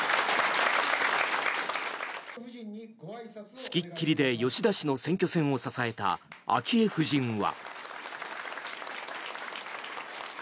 付きっ切りで吉田氏の選挙戦を支えた昭恵夫人は。